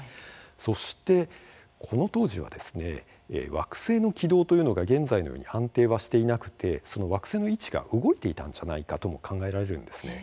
そして、この当時はですね惑星の軌道というのが現在のように安定はしていなくてその惑星の位置が動いていたんじゃないかとも考えられるんですね。